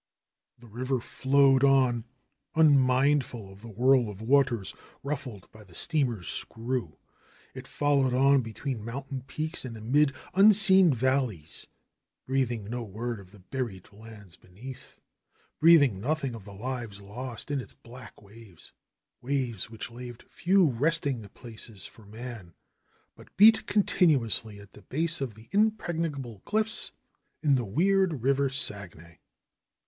The river flowed on unmindful of the whirl of waters 46 THE HERMIT OF SAGUENAY ruffled by the steamer's screw. It flowed on between mountain peaks and amid unseen valleys; breathing no word of the buried lands beneath ; breathing nothing of the lives lost in its black waves, waves which laved few resting places for man, but beat continuously at the base of impregnable cliffs in the weird River Saguenay.